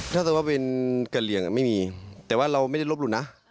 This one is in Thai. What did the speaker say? ถ้าสมมุติว่าเป็นกะเหลี่ยงไม่มีแต่ว่าเราไม่ได้ลบหลู่นะ